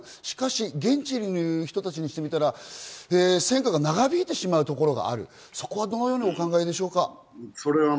しかし、現地にいる人たちにしてみたら成果が長引いてしまうところがある、そこはどのようにお考えでしょうか？